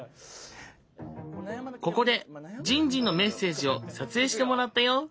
ここでじんじんのメッセージを撮影してもらったよ！